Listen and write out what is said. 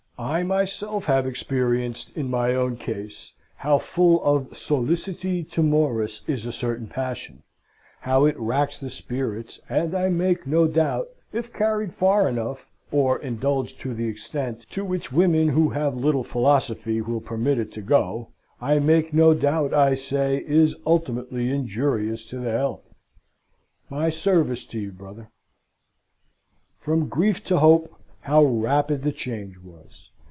I myself have experienced, in my own case, how full of solliciti timoris is a certain passion; how it racks the spirits; and I make no doubt, if carried far enough, or indulged to the extent to which women who have little philosophy will permit it to go I make no doubt, I say, is ultimately injurious to the health. My service to you, brother!" From grief to hope, how rapid the change was!